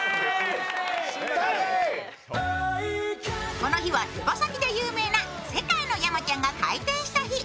この日は手羽先で有名な世界の山ちゃんが開店した日。